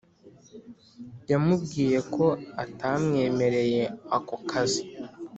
yamubwiye ko atamenyereye ako kazi